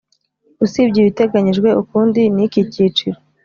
Usibye ibiteganyijwe ukundi n iki cyiciro